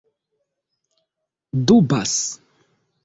dubas